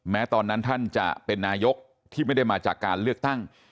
ตอนนั้นท่านจะเป็นนายกที่ไม่ได้มาจากการเลือกตั้ง